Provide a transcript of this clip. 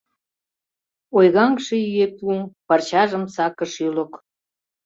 Ойгаҥше ӱепу парчажым сакыш ӱлык.